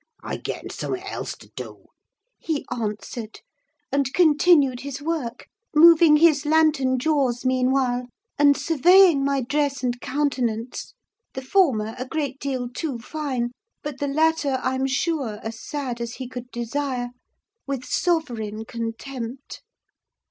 I getten summut else to do," he answered, and continued his work; moving his lantern jaws meanwhile, and surveying my dress and countenance (the former a great deal too fine, but the latter, I'm sure, as sad as he could desire) with sovereign contempt.